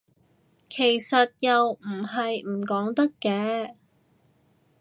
其實又唔係唔講得嘅